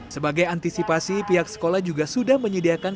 sebagai antisipasi pihak sekolah juga sudah menyediakan